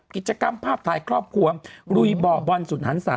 กิจกรรมภาพถ่ายครอบครัวลุยบ่อบอลสุดหันศา